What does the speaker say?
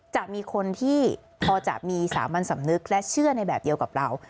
จะมีคนที่พอจะมีสามัญสำนึกและเชื่อในแบบเดียวกับเรา